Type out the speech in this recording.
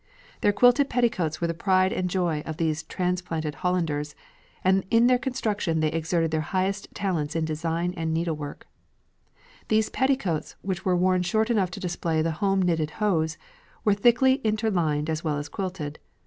Their quilted petticoats were the pride and joy of these transplanted Hollanders, and in their construction they exerted their highest talents in design and needlework. These petticoats, which were worn short enough to display the home knitted hose, were thickly interlined as well as quilted.